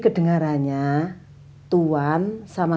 saya harap berhasil